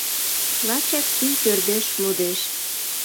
Лачак пий пӧрдеш, модеш